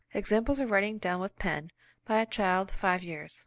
Example of writing done with pen, by a child five years.